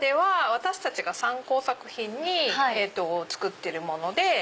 私たちが参考作品に作ってるもので。